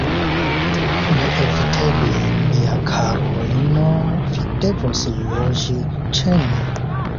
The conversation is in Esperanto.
Neeviteble, mia karulino, vi devos loĝi ĉe ni.